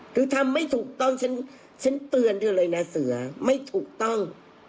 คือทำไม่ถูกต้องฉันเตือนเธอเลยนะเสือไม่ถูกต้อง